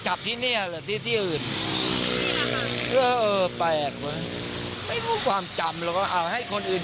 จับที่นี่หรือที่อื่นแปลกไม่พูดความจำหรอกอ่ะให้คนอื่น